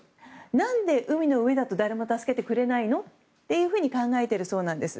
何で、海の上だと誰も助けてくれないの？と考えているそうなんです。